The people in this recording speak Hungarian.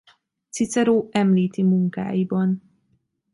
Cicero említi munkáiban.